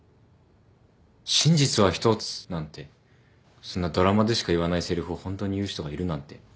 「真実は１つ」なんてそんなドラマでしか言わないせりふをホントに言う人がいるなんて。